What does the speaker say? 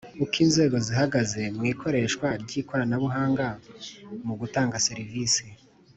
Uko inzego zihagaze mu ikoreshwa ry ikoranabuhanga mu gutanga serivisi